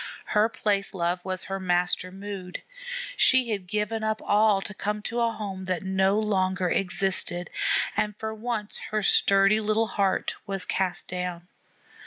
Her place love was her master mood. She had given up all to come to a home that no longer existed, and for once her sturdy little heart was cast down.